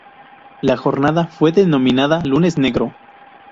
La jornada fue denominada "Lunes Negro".